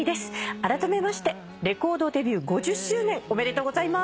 あらためましてレコードデビュー５０周年おめでとうございます。